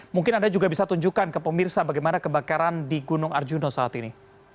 mungkin anda juga bisa tunjukkan ke pemirsa bagaimana kebakaran di gunung arjuna saat ini